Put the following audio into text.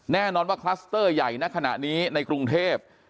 แน่นอนว่าคลัสเตอร์ใหญ่ในขณะนี้ในกรุงเทพ